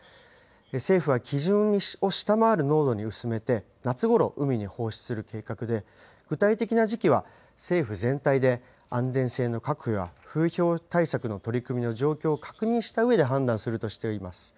政府は基準を下回る濃度に薄めて、夏ごろ、海に放出する計画で、具体的な時期は、政府全体で安全性の確保や風評対策の取り組みの状況を確認したうえで判断するとしています。